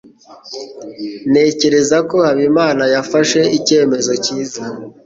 Ntekereza ko Habimana yafashe icyemezo cyiza.